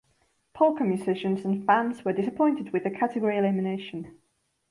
Polka musicians and fans were disappointed with the category elimination.